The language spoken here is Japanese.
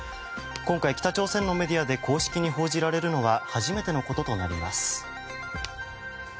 今回、北朝鮮のメディアで公式に報じられるのは初めてのこととなります。